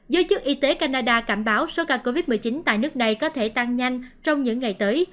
giới chức y tế canada cảnh báo số ca covid một mươi chín tại nước này có thể tăng nhanh trong những ngày tới